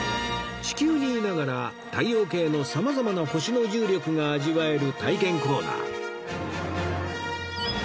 地球にいながら太陽系の様々な星の重力が味わえる体験コーナー